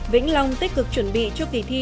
vĩnh long tích cực chuẩn bị cho kỳ thi